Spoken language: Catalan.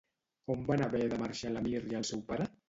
On van haver de marxar l'Amir i el seu pare?